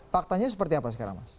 faktanya seperti apa sekarang